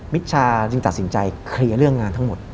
ชชาจึงตัดสินใจเคลียร์เรื่องงานทั้งหมด